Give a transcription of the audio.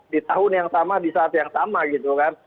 di tahun yang sama di saat yang sama gitu kan